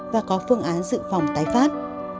và có phương án dự phòng tái phát